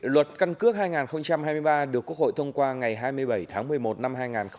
luật căn cước hai nghìn hai mươi ba được quốc hội thông qua ngày hai mươi bảy tháng một mươi một năm hai nghìn hai mươi ba